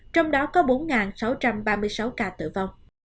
trong đó có bốn sáu trăm ba mươi sáu ca tử vong